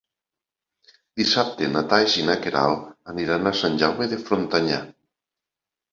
Dissabte na Thaís i na Queralt aniran a Sant Jaume de Frontanyà.